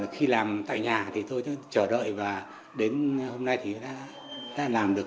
khi làm tại nhà thì tôi chờ đợi và đến hôm nay thì đã làm được